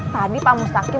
tadi pak mustafil